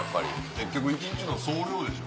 結局一日の総量でしょ。